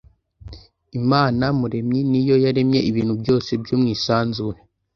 imana muremyi, ni yo yaremye ibintu byose byo mu isanzure